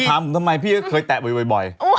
มาถามทำไมพี่เคยแตะบ่อยบ่อย